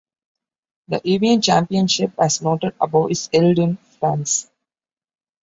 The Evian Championship, as noted above, is held in France.